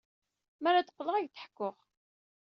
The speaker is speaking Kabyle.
Mi ara d-qqleɣ, ad ak-d-ḥkuɣ.